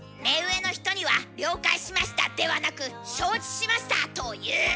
目上の人には「了解しました」ではなく「承知しました」と言う！